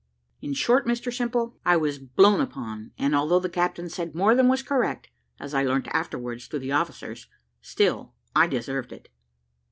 In short, Mr Simple, I was blown upon; and although the captain said more than was correct, as I learnt afterwards through the officers, still I deserved it.